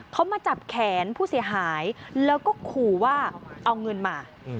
เขามาจับแขนผู้เสียหายแล้วก็ขู่ว่าเอาเงินมา